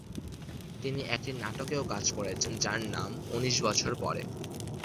তিনি একটি নাটকেও কাজ করেছেন যার নাম "উনিশ বছর পরে"।